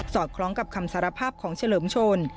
อดคล้องกับคำสารภาพของเฉลิมชน